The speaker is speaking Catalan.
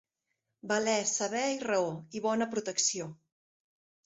Valer, saber i raó, i bona protecció.